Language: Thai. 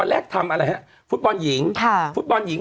อันคารที่ผ่านมานี่เองไม่กี่วันนี่เอง